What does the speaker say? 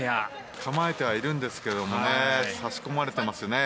構えてはいるんですけど差し込まれていますね。